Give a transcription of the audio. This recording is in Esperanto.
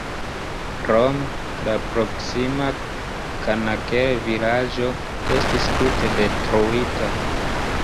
Krome, la proksima Kanaker-vilaĝo estis tute detruita.